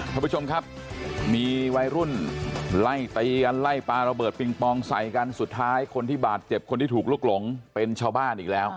ท่านผู้ชมครับมีวัยรุ่นไล่ตีกันไล่ปลาระเบิดปิงปองใส่กันสุดท้ายคนที่บาดเจ็บคนที่ถูกลุกหลงเป็นชาวบ้านอีกแล้ว